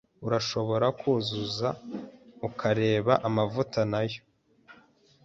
Urashobora kuzuza ukareba amavuta, nayo?